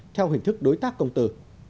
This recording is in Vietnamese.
theo hình thức đối tác công tử